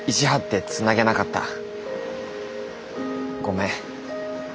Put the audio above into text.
ごめん。